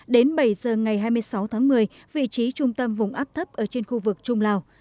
đến bảy giờ ngày hai mươi sáu tháng một mươi vị trí trung tâm vùng áp thấp ở trên khu vực trung lào